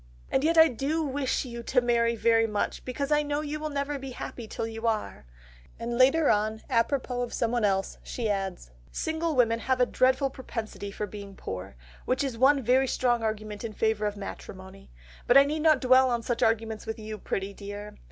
"And yet I do wish you to marry very much because I know you will never be happy till you are," and later on, apropos of someone else, she adds: "Single women have a dreadful propensity for being poor, which is one very strong argument in favour of matrimony, but I need not dwell on such arguments with you, pretty dear.